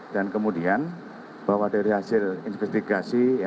dan kemudian bahwa dari hasil investigasi ya